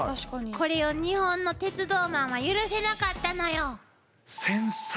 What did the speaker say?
これを日本の鉄道マンは許せなかったのよ。